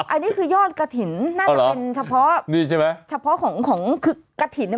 อันนี้คือยอดกระถิ่นน่าจะเป็นเฉพาะนี่ใช่ไหมเฉพาะของของคือกระถิ่นเนี้ย